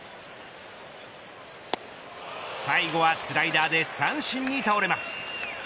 最後はスライダーで三振に倒れます。